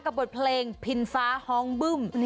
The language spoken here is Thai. บทเพลงพินฟ้าฮองบึ้ม